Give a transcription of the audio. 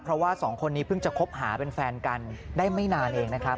เพราะว่าสองคนนี้เพิ่งจะคบหาเป็นแฟนกันได้ไม่นานเองนะครับ